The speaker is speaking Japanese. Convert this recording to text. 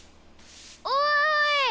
おい！